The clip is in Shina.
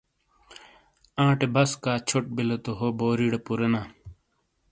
آٹے بسکا چھوٹ بِیلے تو ہو بوری ڑے پُورینا۔